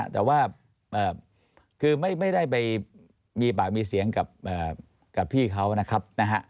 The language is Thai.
แต่ว่าคือไม่ได้ไปมีปากมีเสียงกับพี่เขานะครับนะฮะ